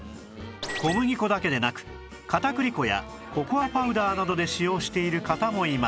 小麦粉だけでなく片栗粉やココアパウダーなどで使用している方もいました